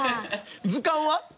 図鑑は？